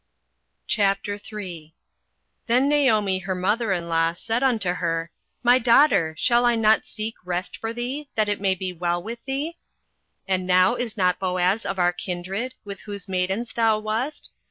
08:003:001 Then Naomi her mother in law said unto her, My daughter, shall I not seek rest for thee, that it may be well with thee? 08:003:002 And now is not Boaz of our kindred, with whose maidens thou wast?